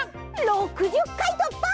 ６０かいとっぱ。